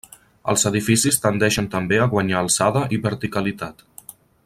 Els edificis tendeixen també a guanyar alçada i verticalitat.